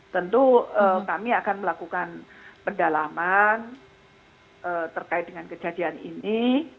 tentu kami akan melakukan pendalaman terkait dengan kejadian ini